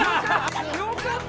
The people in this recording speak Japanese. よかった！